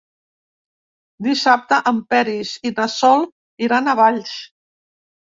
Dissabte en Peris i na Sol iran a Valls.